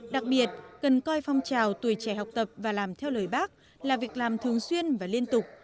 đặc biệt cần coi phong trào tuổi trẻ học tập và làm theo lời bác là việc làm thường xuyên và liên tục